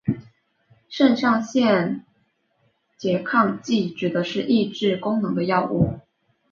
肾上腺素拮抗剂指的是抑制功能的药物。